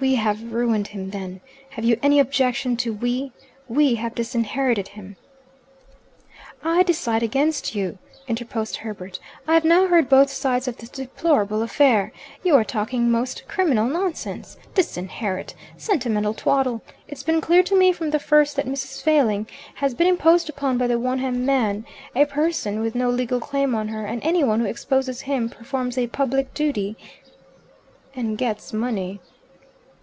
"We have ruined him, then. Have you any objection to 'we'? We have disinherited him." "I decide against you," interposed Herbert. "I have now heard both sides of this deplorable affair. You are talking most criminal nonsense. 'Disinherit!' Sentimental twaddle. It's been clear to me from the first that Mrs. Failing has been imposed upon by the Wonham man, a person with no legal claim on her, and any one who exposes him performs a public duty "" And gets money."